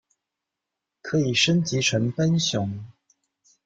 可升级成奔熊。